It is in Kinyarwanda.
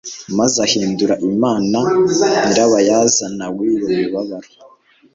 maze ahindura Imana nyirabayazana w'iyo mibabaro.